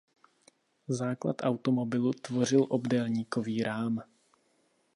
Základ automobilu tvořil obdélníkový rám.